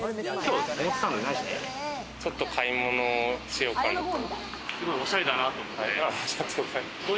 ちょっと買い物しようかなと。